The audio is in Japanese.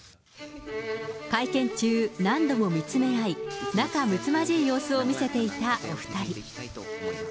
会見中、何度も見つめ合い、仲むつまじい様子を見せていたお２人。